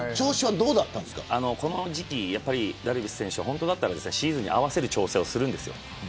この時期、ダルビッシュ選手は本当だったらシーズンに合わせて調整をするんです。